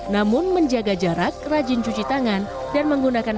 namun menjaga jarak rajin cuci tangan